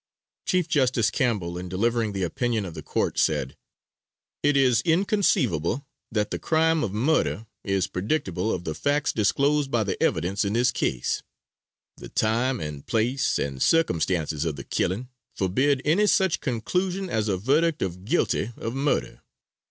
Chief Justice Campbell, in delivering the opinion of the court said, "It is inconceivable that the crime of murder is predicable of the facts disclosed by the evidence in this case. The time and place and circumstances of the killing forbid any such conclusion as a verdict of guilty of murder."